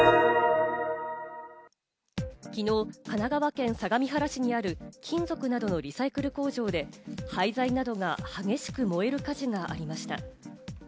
きのう神奈川県相模原市にある金属などのリサイクル工場で廃材などが激しく燃える火事がありました。